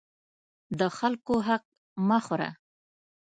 د خلکو حق مه خوره.